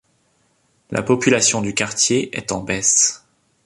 La population du quartier est en baisse.